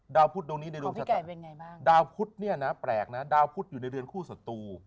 ดาวพุทธตรงนี้ในเรืองชะตาดาวพุทธนะแปลกนะดาวพุทธอยู่ในเรือนคู่สัตว์